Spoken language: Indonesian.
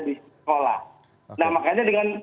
di sekolah nah makanya dengan